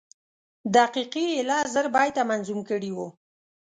دقیقي ایله زر بیته منظوم کړي وو.